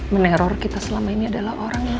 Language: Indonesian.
meneror kita selama ini adalah orang